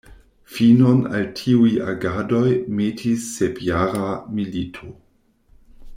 Finon al tiuj agadoj metis Sepjara milito.